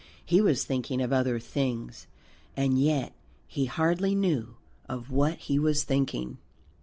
He was thinking of other things, and yet he hardly knew of what he was thinking.